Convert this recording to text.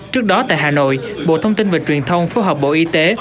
trước đó tại hà nội bộ thông tin và truyền thông phối hợp bộ y tế